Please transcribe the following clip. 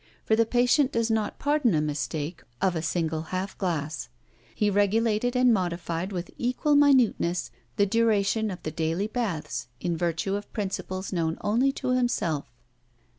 For the patient does not pardon a mistake of a single half glass. He regulated and modified with equal minuteness the duration of the daily baths in virtue of principles known only to himself.